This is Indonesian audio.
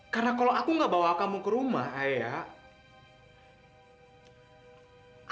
karena kalau aku nggak bawa kamu ke rumah ayah